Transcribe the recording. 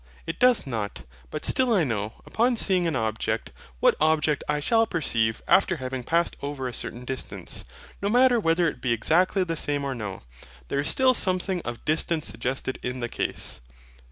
It doth not; but still I know, upon seeing an object, what object I shall perceive after having passed over a certain distance: no matter whether it be exactly the same or no: there is still something of distance suggested in the case.